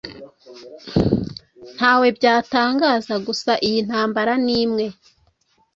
ntawe byatangaza. Gusa iyi ntambara ni imwe